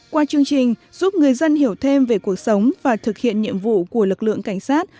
qua chương trình giúp người dân hiểu thêm về cuộc sống và thực hiện nhiệm vụ của lực lượng cảnh sát